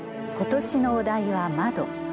今年のお題は「窓」。